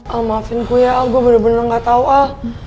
al maafin gue ya al gue bener bener gak tau al